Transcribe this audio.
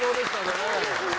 そうですね。